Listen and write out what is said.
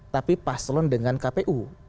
tapi paslon dengan kpu